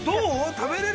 食べれる？